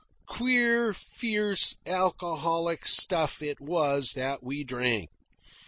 Queer, fierce, alcoholic stuff it was that we drank.